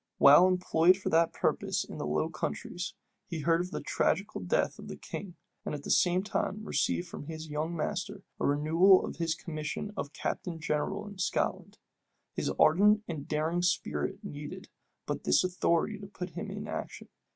While employed for that purpose in the Low Countries, he heard of the tragical death of the king; and at the same time received from his young master a renewal of his commission of captain general in Scotland.[*] His ardent and daring spirit needed but this authority to put him in action.